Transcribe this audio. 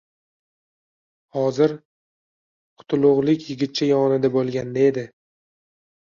Hozir qutiulug‘lik yigitcha yonida bo‘lganda edi